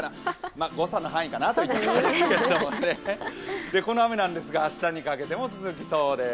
ま、誤差の範囲かなという感じですけれども、この雨なんですが明日にかけても続きそうです。